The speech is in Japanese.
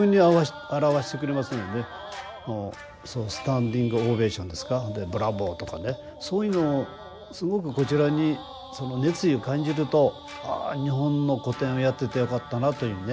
もうスタンディングオーベーションですかで「ブラボー！」とかねそういうのをすごくこちらにその熱意を感じると「ああ日本の古典をやっててよかったな」というふうにね。